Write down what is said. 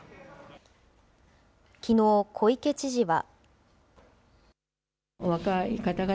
きのう、小池知事は。